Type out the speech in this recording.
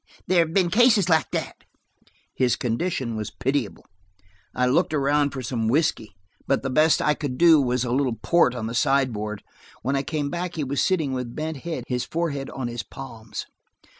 There have been cases like that." His condition was pitiable. I looked around for some whiskey, but the best I could do was a little port on the sideboard. When I came back he was sitting with bent head, his forehead on his palms.